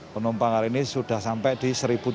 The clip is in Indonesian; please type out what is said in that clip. penumpang hari ini sudah sampai di satu tiga ratus